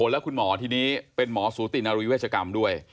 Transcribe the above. แล้วคุณหมอทีนี้เป็นหมอสูตินารีเวชกรรมด้วย